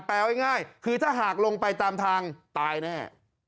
ง่ายคือถ้าหากลงไปตามทางตายแน่